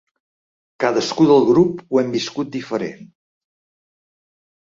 Cadascú del grup ho hem viscut diferent.